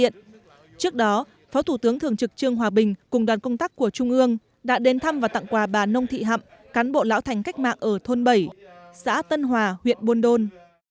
trước đó phó thủ tướng thường trực trương hòa bình cùng đoàn công tác của trung ương đã đến thăm và tặng quà bà nông thị hậm cán bộ lão thành cách mạng ở thôn bảy xã tân hòa huyện buôn đôn